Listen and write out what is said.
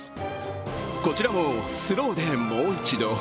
こちらも、スローでもう一度。